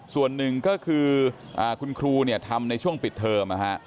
ส่วนหนึ่งก็คือคุณครูเนี่ยทำในช่วงปิดเทอมนะฮะ